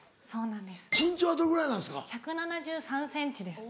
身長はどれぐらいなんですか？